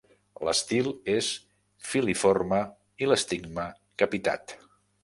L'estil és filiforme i l'estigma capitat.